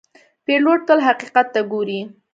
پیلوټ تل حقیقت ته ګوري.